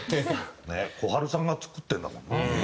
小春さんが作ってるんだもん。